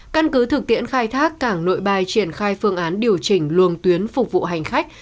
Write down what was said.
căn cứ thực tiễn khai thác cảng nội bài triển khai phương án điều chỉnh luồng tuyến phục vụ hành khách